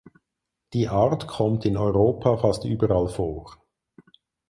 Die Art kommt in Europa fast überall vor.